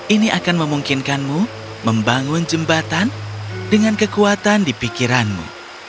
ini akan memungkinkanmu membangun jembatan dengan kekuatan di pikiranmu